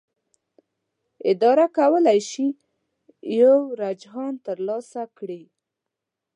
اداره کولی شي یو رجحان ترلاسه کړي.